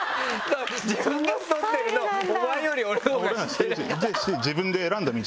自分が太ってるのをお前より俺のほうが知ってる。